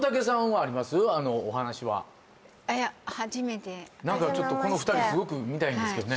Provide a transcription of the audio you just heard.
お話は何かちょっとこの２人すごく見たいんですけどね